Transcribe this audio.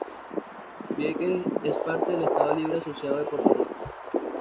Vieques es parte del Estado libre asociado de Puerto Rico.